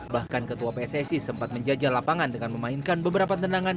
bahkan ketua pssi sempat menjajal lapangan dengan memainkan beberapa tendangan